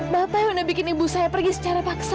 bapak yang udah bikin ibu saya pergi secara paksa